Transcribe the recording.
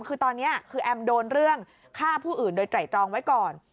คือตอนนี้คือแอมโดนเรื่องฆ่าผู้อื่นโดยไตรตรองไว้ก่อน